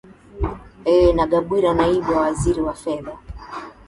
e nagabwira naibu wa waziri wa fedha